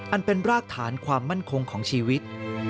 อันเป็นรากฐานความมั่นคงของชีวิต